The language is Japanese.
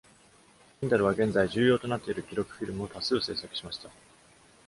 ティンダルは、現在重要となっている記録フィルムを多数制作しました。